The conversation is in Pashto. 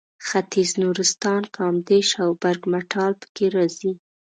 ختیځ نورستان کامدېش او برګمټال پکې راځي.